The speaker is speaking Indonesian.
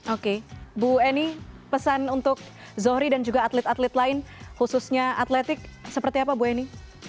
oke bu eni pesan untuk zohri dan juga atlet atlet lain khususnya atletik seperti apa bu eni